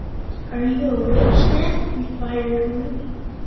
"Are you a Witch, then?" inquired Woot.